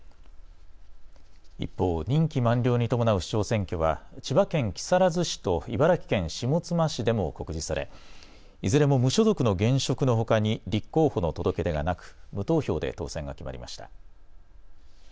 一方、任期満了に伴う市長選挙は千葉県木更津市と茨城県下妻市でも告示されいずれも無所属の現職のほかに立候補の届け出がなく無投票で当選が決まりました。